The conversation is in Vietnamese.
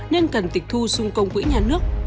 nên cần tịch thu xung công quỹ nhà nước